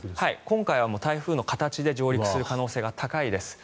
今回は台風の形で上陸する可能性が高いです。